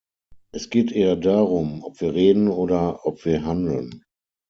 Es geht eher darum, ob wir reden oder ob wir handeln.